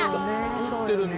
降ってるんだ。